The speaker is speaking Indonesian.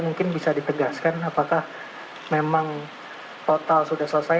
mungkin bisa ditegaskan apakah memang total sudah selesai